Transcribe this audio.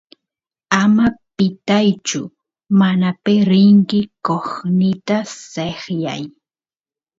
ama pitaychu manape rinki qosnita sekyay